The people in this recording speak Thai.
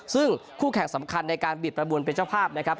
ซึ่งคู่แข่งสำคัญในการบิดประมูลเป็นเจ้าภาพนะครับ